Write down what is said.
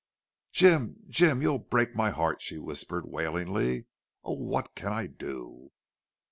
"Jim!... Jim! You'll break my heart!" she whispered, wailingly. "Oh! WHAT can I do?"